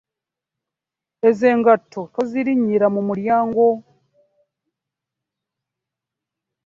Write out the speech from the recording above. Ezo engatto tozirinyira mu mulyango.